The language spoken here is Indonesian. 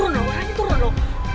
orangnya turun lho